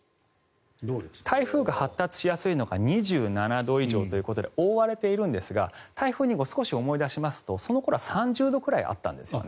台風が発達しやすいのが２７度以上ということで覆われているんですが台風、少し思い出すとその頃は３０度くらいあったんですよね。